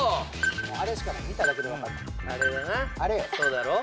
あれしかない見ただけで分かるあれだなそうだろ？